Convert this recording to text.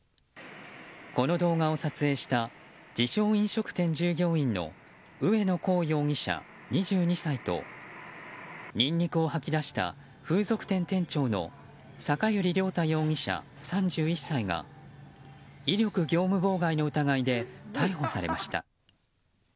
この動画を撮影した自称飲食店従業員の上野滉容疑者、２２歳とニンニクを吐き出した風俗店店長の酒寄亮太容疑者、３１歳が威力業務妨害の疑いで逮捕されました。